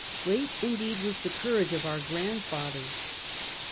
Great indeed was the courage of our grandfathers.